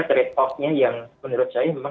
trade off nya yang menurut saya memang